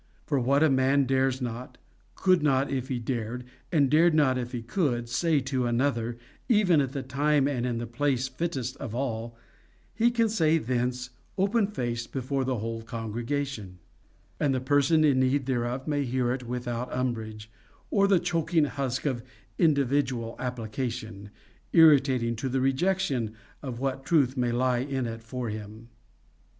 For what a man dares not, could not if he dared, and dared not if he could, say to another, even at the time and in the place fittest of all, he can say thence, open faced before the whole congregation; and the person in need thereof may hear it without umbrage, or the choking husk of individual application, irritating to the rejection of what truth may lie in it for him.